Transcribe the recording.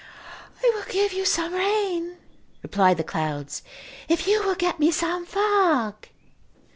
"I will give you some rain," replied the clouds, "if you will get me some fog."